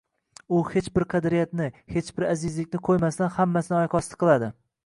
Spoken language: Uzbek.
u hech bir qadriyatni, hech bir azizlikni qo‘ymasdan – hammasini oyoqosti qiladi.